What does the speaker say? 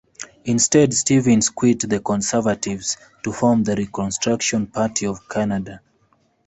Instead Stevens quit the Conservatives to form the Reconstruction Party of Canada.